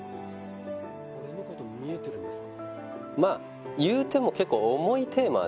俺のこと見えてるんですか？